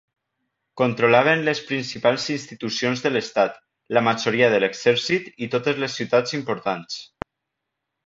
Controlaven les principals institucions de l'estat, la majoria de l'exèrcit i totes les ciutats importants.